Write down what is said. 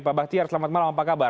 pak bahtiar selamat malam apa kabar